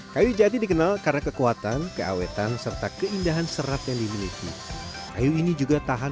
kayu jati dikenal karena kekuatan keawetan serta keindahan serat yang dimiliki kayu ini juga tahan